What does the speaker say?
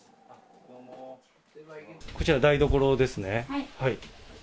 こちら台所ですね。